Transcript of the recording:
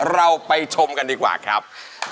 เราไปชมกันดีกว่าครับ